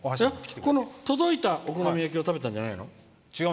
届いたお好み焼きを食べたんじゃないの？